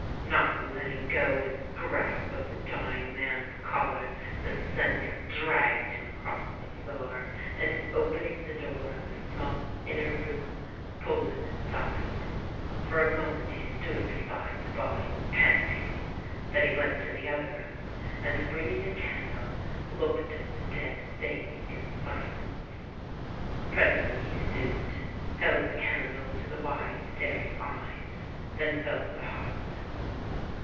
Not letting go his grasp of the dying man's collar, the Seigneur dragged him across the floor, and, opening the door of the small inner room, pulled him inside. For a mo ment he stood beside the body panting, then he went to the other room, and bringing a candle looked at the dead thing in silence. Presently he stooped, held the candle to the wide staring eyes, then felt the heart.